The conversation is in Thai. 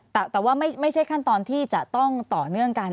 แต่ว่าไม่ใช่ขั้นตอนที่จะต้องต่อเนื่องกัน